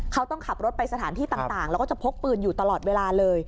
เขาต้องขับรถไปสถานที่ต่างแล้วก็จะพกปืนอยู่ตลอดเวลาเลย